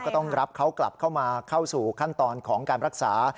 ต้องรับเขากลับเข้ามาเข้าสู่ขั้นตอนของการรักษา